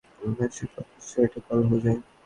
মানুষের পাপ-স্পর্শে এটা কাল হয়ে যায়।